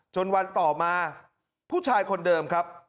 วันต่อมาผู้ชายคนเดิมครับ